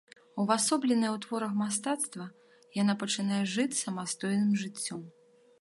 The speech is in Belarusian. Увасобленая ў творах мастацтва, яна пачынае жыць самастойным жыццём.